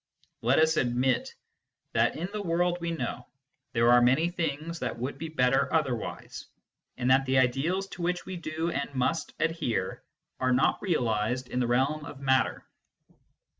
Let us admit that, in the world we know, there are many things that would be better otherwise, and that the ideals to which we do and must adhere are not realised in the realm of matter.